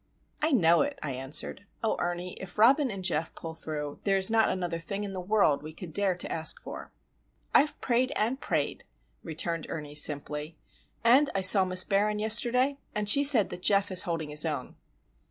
"I know it," I answered. "Oh, Ernie, if Robin and Geof pull through, there is not another thing in the world we could dare to ask for!" "I've prayed, and prayed," returned Ernie, simply. "And I saw Miss Barron yesterday, and she says that Geof is holding his own."